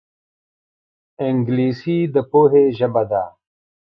انګلیسي د پوهې ژبه ده